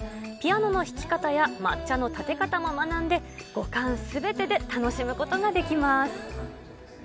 ピアノの弾き方や抹茶のたて方も学んで、五感すべてで楽しむことができます。